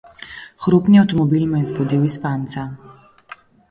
Hrupni avtomobil me je zbudil iz spanca.